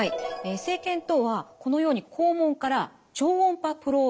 生検とはこのように肛門から超音波プローブと呼ばれます